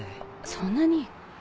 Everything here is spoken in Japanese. そんなに！